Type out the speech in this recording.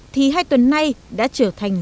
thì hai tuần nay đã trở thành